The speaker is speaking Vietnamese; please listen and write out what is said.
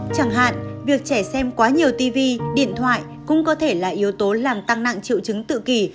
chẳng hạn việc trẻ xem quá nhiều tv điện thoại cũng có thể là yếu tố làm tăng nặng triệu chứng tự kỷ